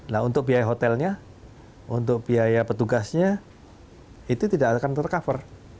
nah untuk biaya hotelnya untuk biaya petugasnya itu tidak akan tercover